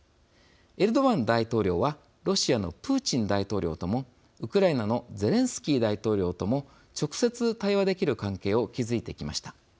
エルドアン大統領はロシアのプーチン大統領ともウクライナのゼレンスキー大統領とも直接対話できる関係を築いてきました。